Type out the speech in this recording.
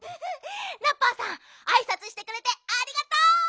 ラッパーさんあいさつしてくれてありがとう！